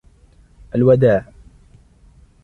الوداع.